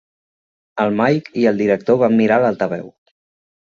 El Mike i el director van mirar a l'altaveu.